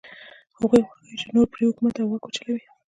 هغوی خوښوي چې نور پرې حکومت او واک وچلوي.